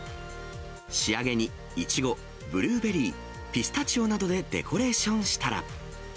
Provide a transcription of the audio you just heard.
仕上げにイチゴ、ブルーベリー、ピスタチオなどでデコレーションしたら。